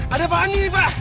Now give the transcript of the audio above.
ada apaan ini pak